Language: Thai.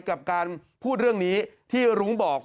กับการพูดเรื่องนี้ที่รุ้งบอก